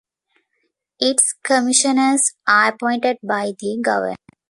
Its commissioners are appointed by the governor.